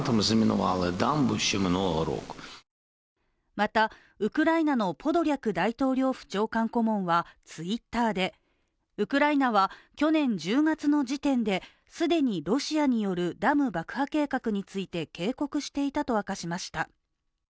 また、ウクライナのポドリャク大統領府長官顧問はＴｗｉｔｔｅｒでウクライナは去年１０月の時点で既に、ロシアによるダム破壊計画について警告していたと明かしました。